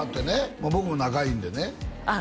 まあ僕も仲いいんでねあっ